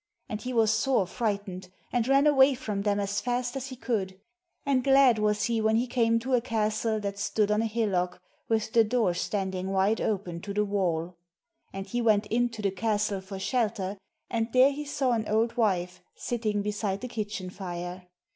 And he was sore frightened, and ran away from them as fast as he could ; and glad was he when he came to a castle that stood on a hillock, with the door standing wide open to the wall. And he went in to the castle for shelter, and there he saw an old wife sitting beside the kitchen fire.